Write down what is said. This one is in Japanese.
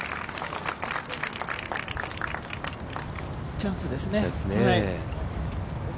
チャンスですね。